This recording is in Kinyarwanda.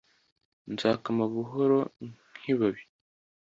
nzakama buhoro nk'ibabi